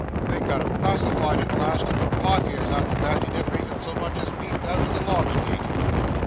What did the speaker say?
They got him pacified at last; and for five years arter that, he never even so much as peeped out o' the lodge gate.